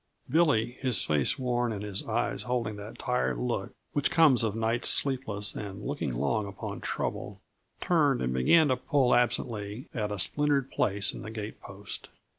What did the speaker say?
Billy, his face worn and his eyes holding that tired look which comes of nights sleepless and of looking long upon trouble, turned and began to pull absently at a splintered place in the gatepost.